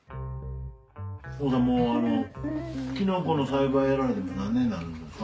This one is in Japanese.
お父さんキノコの栽培やられて何年になるんですか？